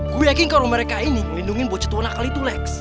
gue yakin kalau mereka ini melindungi bocot orang nakal itu lex